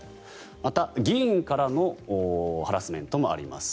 また、議員からのハラスメントもあります。